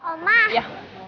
terima kasih ya